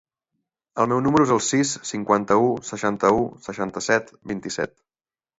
El meu número es el sis, cinquanta-u, seixanta-u, seixanta-set, vint-i-set.